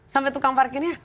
sampai tukang parkirnya